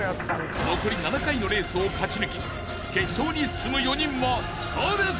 ［残り７回のレースを勝ち抜き決勝に進む４人は誰だ！？］